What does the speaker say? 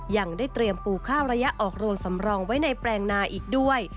ยังได้เตรียมปูข้าวระยะออกโรงสำรองไว้ในแปลงนาอีกด้วย